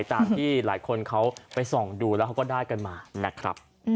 ตามที่หลายคนเขาไปส่องดูแล้วเขาก็ได้กันมานะครับ